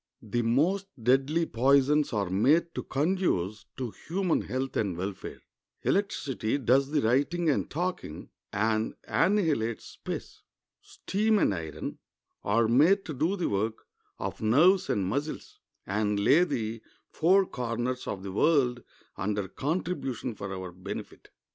The most deadly poisons are made to conduce to human health and welfare. Electricity does the writing and talking, and annihilates space. Steam and iron are made to do the work of nerves and muscles, and lay the four corners of the world under contribution for our benefit.